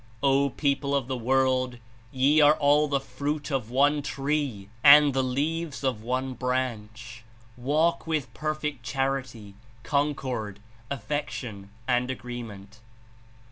"O people of the world, ye are all the fruit of one tree and the leaves of one branch. Walk with perfect charity, concord, affection and agreement."